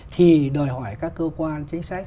thì đòi hỏi các cơ quan chính sách